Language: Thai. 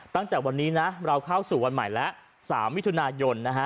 ตั้งแต่วันนี้นะเราเข้าสู่วันใหม่แล้ว๓มิถุนายนนะฮะ